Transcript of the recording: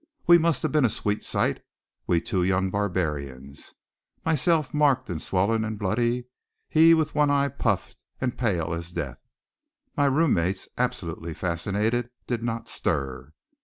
We must have been a sweet sight, we two young barbarians myself marked and swollen and bloody, he with one eye puffed, and pale as death. My roommates, absolutely fascinated, did not stir.